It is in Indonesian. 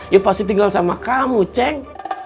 ya pasti tinggal sama kamu ceng